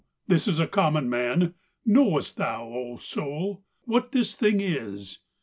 'This is a common man: knowest thou, O soul, What this thing is?